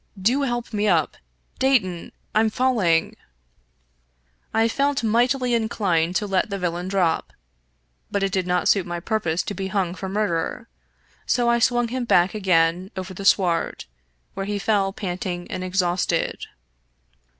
Do help me up, Dayton — Fm falling 1 " I felt mightily inclined to let the villain drop ; but it did not suit my purpose to be hung for murder, so I swung him back again on the sward, where he fell panting and exhausted.